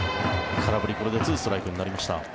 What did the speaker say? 空振り、これで２ストライクになりました。